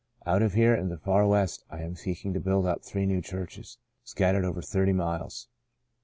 Out here in the far West I am seeking to build up three new churches, scattered over thirty miles.